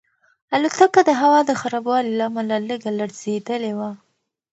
الوتکه د هوا د خرابوالي له امله لږه لړزېدلې وه.